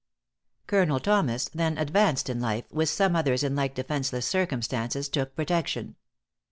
Colonel Thomas, then advanced in life, with some others in like defenceless circumstances, took protection.